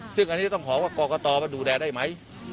ซึ่งอันนี้จะต้องบอกว่ากรกตมาดูแลได้ไหม